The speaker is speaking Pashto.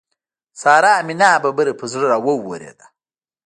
سارا مې ناببره پر زړه را واورېده.